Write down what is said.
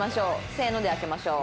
せーので開けましょう。